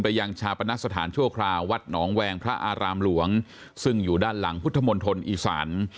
ยังชาปนสถานชั่วคราววัดหนองแวงพระอารามหลวงซึ่งอยู่ด้านหลังพุทธมณฑลอีสาน